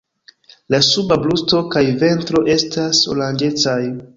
La suba brusto kaj ventro estas oranĝecaj.